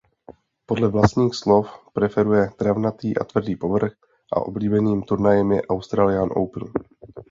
Podle vlastních slov preferuje travnatý a tvrdý povrch a oblíbeným turnajem je Australian Open.